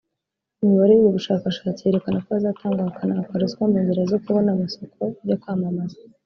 Imibare y’ubu bushakashatsi yerekana ko hatangwa hakanakwa ruswa mu nzira zo kubona amasoko yo kwamamaza